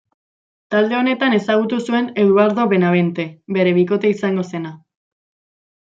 Talde honetan ezagutu zuen Eduardo Benavente, bere bikote izango zena.